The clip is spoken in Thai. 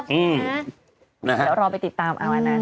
เดี๋ยวรอไปติดตามเอาอันนั้น